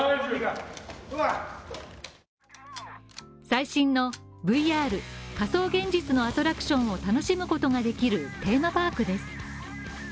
最新のＶＲ＝仮想現実のアトラクションを楽しむことができるテーマパークです。